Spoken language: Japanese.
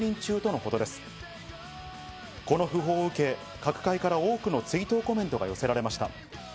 この訃報を受け、各界から多くの追悼コメントが寄せられました。